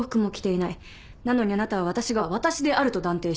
なのにあなたは私が私であると断定した。